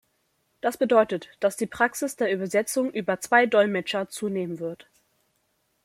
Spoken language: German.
Das bedeutet, dass die Praxis der Übersetzung über zwei Dolmetscher zunehmen wird.